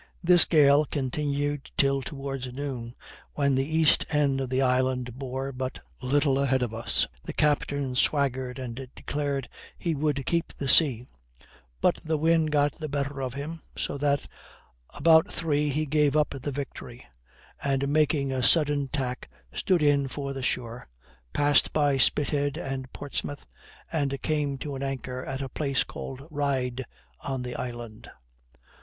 This gale continued till towards noon; when the east end of the island bore but little ahead of us. The captain swaggered and declared he would keep the sea; but the wind got the better of him, so that about three he gave up the victory, and making a sudden tack stood in for the shore, passed by Spithead and Portsmouth, and came to an anchor at a place called Ryde on the island.